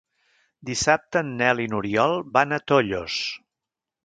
Dissabte en Nel i n'Oriol van a Tollos.